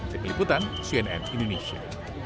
demi liputan cnn indonesia